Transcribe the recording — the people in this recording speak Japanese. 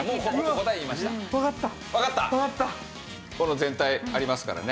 コンロ全体ありますからね。